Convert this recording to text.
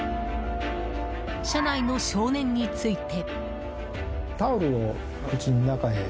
車内の少年について。